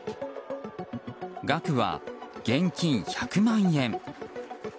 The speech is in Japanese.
額は、現金１００万円。